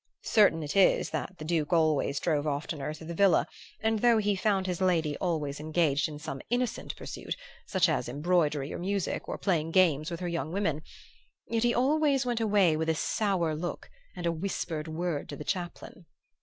Certain it is that the Duke drove out oftener to the villa, and though he found his lady always engaged in some innocent pursuit, such as embroidery or music, or playing games with her young women, yet he always went away with a sour look and a whispered word to the chaplain.